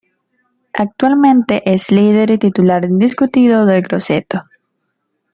Actualmente es líder y titular indiscutido del Grosseto.